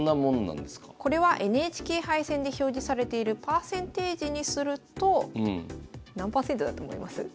これはＮＨＫ杯戦で表示されているパーセンテージにすると何％だと思います？